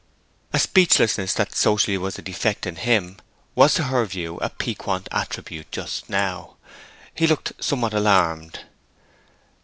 A speechlessness that socially was a defect in him was to her view a piquant attribute just now. He looked somewhat alarmed.